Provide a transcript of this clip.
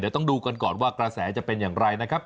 เดี๋ยวต้องดูกันก่อนว่ากระแสจะเป็นอย่างไรนะครับ